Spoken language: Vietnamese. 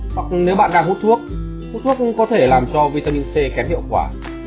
hoặc nếu bạn đang hút thuốc hút thuốc cũng có thể làm cho vitamin c kém hiệu quả